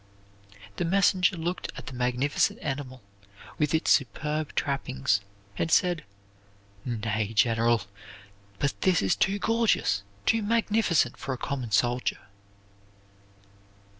The messenger looked at the magnificent animal, with its superb trappings, and said, "Nay, General, but this is too gorgeous, too magnificent for a common soldier."